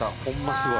すごい。